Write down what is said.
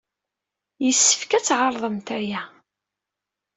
Yessefk ad tɛerḍemt aya.